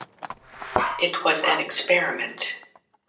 It was an experiment.